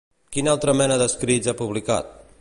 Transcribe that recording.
Quina altra mena d'escrits ha publicat?